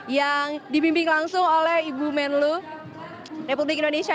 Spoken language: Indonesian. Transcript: yang dibimbing langsung oleh ibu menlu republik indonesia